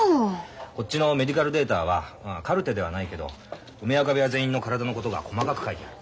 こっちのメディカルデータはカルテではないけど梅若部屋全員の体のことが細かく書いてある。